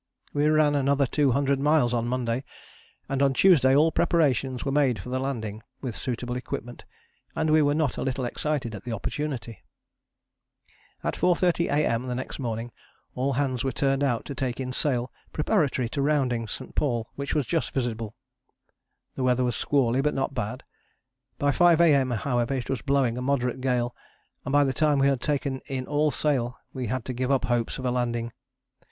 We ran another two hundred miles on Monday, and on Tuesday all preparations were made for the landing, with suitable equipment, and we were not a little excited at the opportunity. At 4.30 A.M. the next morning all hands were turned out to take in sail preparatory to rounding St. Paul which was just visible. The weather was squally, but not bad. By 5 A.M., however, it was blowing a moderate gale, and by the time we had taken in all sail we had to give up hopes of a landing.